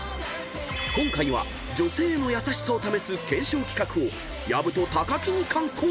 ［今回は女性への優しさを試す検証企画を薮と木に敢行］